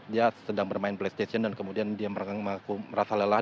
dia sedang bermain playstation dan kemudian dia merasa lelah